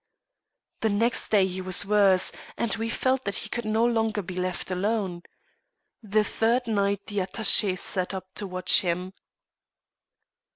The next day he was worse, and we felt that he could no longer be left alone. The third night the attaché sat up to watch him.